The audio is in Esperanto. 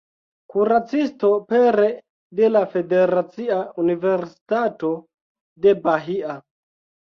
Kuracisto pere de la Federacia Universitato de Bahia.